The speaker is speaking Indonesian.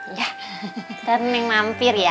iya ntar neng mampir ya